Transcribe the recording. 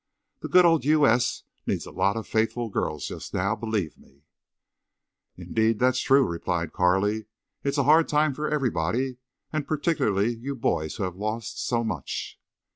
The good old U. S. needs a lot of faithful girls just now, believe me." "Indeed that's true," replied Carley. "It's a hard time for everybody, and particularly you boys who have lost so—so much."